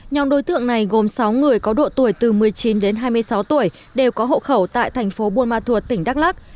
nhóm đối tượng này gồm sáu người có độ tuổi từ một mươi chín đến hai mươi sáu tuổi đều có hộ khẩu tại thành phố buôn ma thuột tỉnh đắk lắc